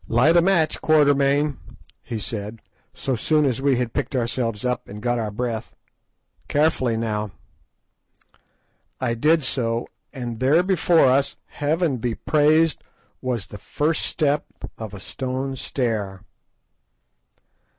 "Light a match, Quatermain," he said, so soon as we had picked ourselves up and got our breath; "carefully, now." I did so, and there before us, Heaven be praised! was the _first step of a stone stair.